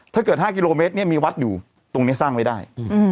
ถ้าเกิด๕กิโลเมตรมีวัดอยู่ตรงนี้สร้างไว้ได้